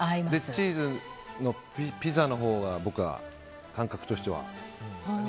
チーズのピザのほうが僕は感覚としては。